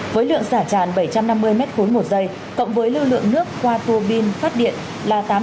với lượng xả tràn bảy trăm năm mươi m ba một giây cộng với lưu lượng nước qua tua pin phát điện là tám trăm sáu mươi m ba một giây